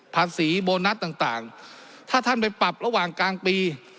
โบนัสต่างถ้าท่านไปปรับระหว่างกลางปี